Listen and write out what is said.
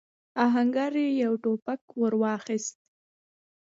آهنګر يو ټوپک ور واخيست.